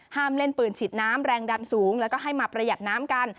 เล่นปืนฉีดน้ำแรงดันสูงแล้วก็ให้มาประหยัดน้ำกัน